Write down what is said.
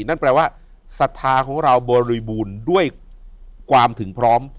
นั่นแปลว่าศรัทธาของเราบริบูรณ์ด้วยความถึงพร้อม